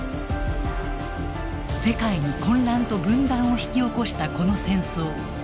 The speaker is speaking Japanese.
世界に混乱と分断を引き起こしたこの戦争。